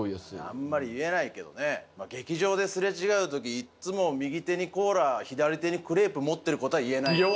あんまり言えないけどね劇場ですれ違う時いっつも右手にコーラ左手にクレープ持ってる事は言えない。